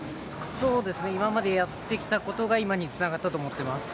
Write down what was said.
今までやってきたことが今につながったと思っています。